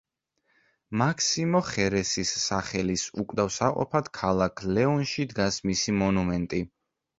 მაქსიმო ხერესის სახელის უკვდავსაყოფად ქალაქ ლეონში დგას მისი მონუმენტი.